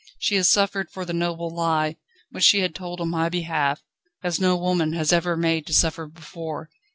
She has suffered for the noble lie, which she had told on my behalf, as no woman has ever been made to suffer before.